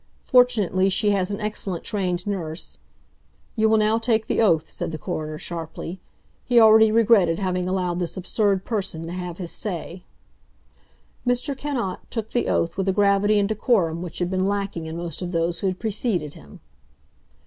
Fortunately, she has an excellent trained nurse—" "You will now take the oath," said the coroner sharply. He already regretted having allowed this absurd person to have his say. Mr. Cannot took the oath with a gravity and decorum which had been lacking in most of those who had preceded him.